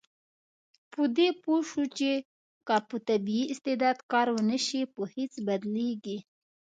په دې پوه شو چې که په طبیعي استعداد کار ونشي، په هېڅ بدلیږي.